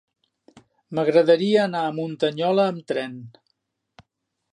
M'agradaria anar a Muntanyola amb tren.